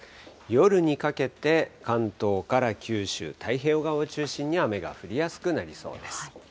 夜にかけて関東から九州、太平洋側を中心に雨が降りやすくなりそうです。